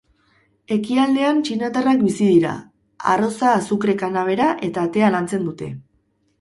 Ekialdean txinatarrak bizi dira; arroza, azukre-kanabera eta tea lantzen dute.